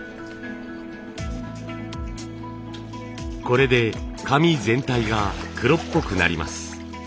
これで紙全体が黒っぽくなります。